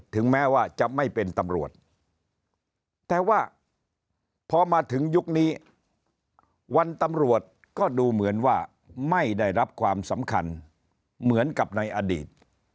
แต่ว่าพอมาถึงยุคนี้วันตำรวจก็ดูเหมือนว่าไม่ได้รับความสำคัญเหมือนกับในอดีต